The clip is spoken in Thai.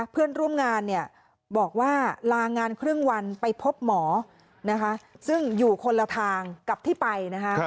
เพื่อนร่วมงานบอกว่าลางงานครึ่งวันไปพบหมอซึ่งอยู่คนละทางกับที่ไป